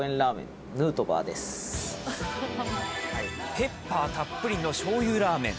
ペッパーたっぷりのしょうゆラーメン。